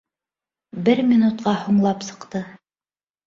Бер минутҡа һуңлап сыҡты.